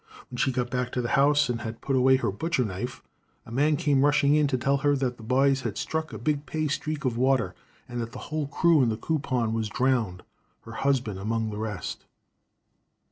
"When she got back to the house and had put away her butcher knife, a man came rushing in to tell her that the boys had struck a big pay streak of water, and that the whole crew in the Coopon was drowned, her husband among the rest.